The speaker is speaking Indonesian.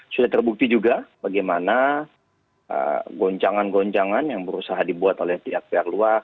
sudah terbukti juga bagaimana goncangan goncangan yang berusaha dibuat oleh pihak pihak luar